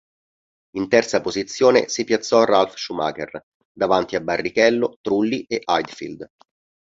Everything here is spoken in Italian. In terza posizione si piazzò Ralf Schumacher, davanti a Barrichello, Trulli e Heidfeld.